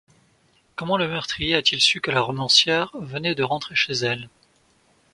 Comment le meurtrier a-t-il su que la romancière venait de rentrer chez elle ?